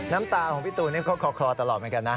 น้ำตาของพี่ตูนนี่ก็คลอตลอดเหมือนกันนะ